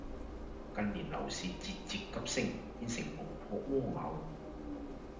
近年樓市節節急升，變成無殼蝸牛